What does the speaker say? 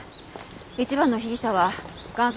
一番の被疑者は贋作